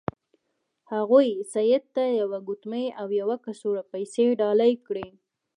هغوی سید ته یوه ګوتمۍ او یوه کڅوړه پیسې ډالۍ کړې.